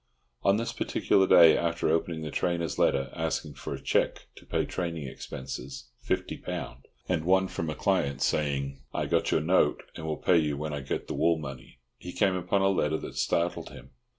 On this particular day, after opening the trainer's letter asking for cheque to pay training expenses (£50), and one from a client, saying "I got your note, and will pay you when I get the wool money," he came upon a letter that startled him.